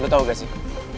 lo tau gak sih